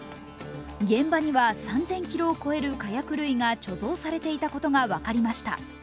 現場には３０００ｋｇを超える火薬類が貯蔵されていたことが分かりました。